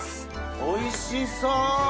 おいしそう！